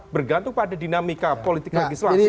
bergantung pada dinamika politik legislasi